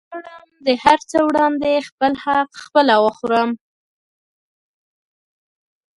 غواړم د هرڅه وړاندې خپل حق خپله وخورم